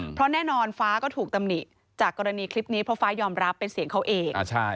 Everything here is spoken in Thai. เพราะแน่นอนฟ้าก็ถูกตำหนิจากกรณีคลิปนี้เพราะฟ้ายอมรับเป็นเสียงเขาเอง